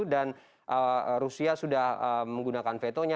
dan rusia sudah menggunakan vetonya